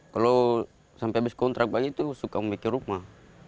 kalau sampai habis kontrak banyak itu suka memikir rumah